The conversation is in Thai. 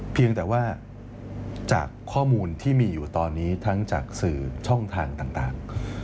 เพียงแต่ว่าจากข้อมูลที่มีอยู่ตอนนี้ทั้งจากสื่อช่องทางต่าง